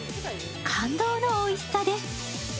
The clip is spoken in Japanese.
感動のおいしさです。